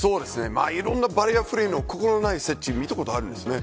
いろんなバリアフリーの心無い設置見たことがあるんですね。